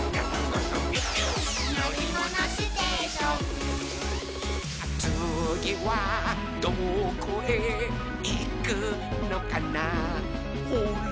「のりものステーション」「つぎはどこへいくのかなほら」